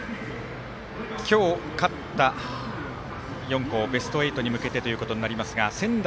今日、勝った４校ベスト８に向けてということになりますが仙台